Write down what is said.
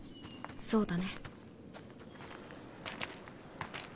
そうだね。